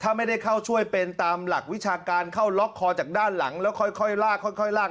ถ้าไม่ได้เข้าช่วยเป็นตามหลักวิชาการเข้าล็อกคอจากด้านหลังแล้วค่อยลากค่อยลาก